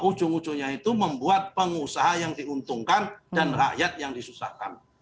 ujung ujungnya itu membuat pengusaha yang diuntungkan dan rakyat yang disusahkan